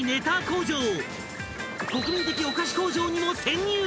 ［国民的お菓子工場にも潜入！］